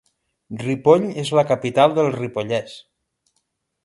Ripoll és la capital del Ripollès.